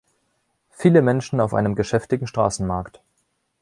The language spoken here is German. Viele Menschen auf einem geschäftigen Straßenmarkt.